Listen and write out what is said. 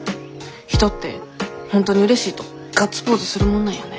人って本当にうれしいとガッツポーズするもんなんやね。